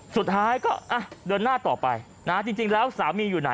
สุดท้ายก็เดินหน้าต่อไปนะจริงแล้วสามีอยู่ไหน